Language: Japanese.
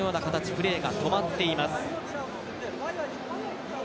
プレーが止まっています。